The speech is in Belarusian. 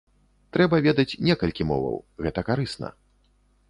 Трэба ведаць некалькі моваў, гэта карысна.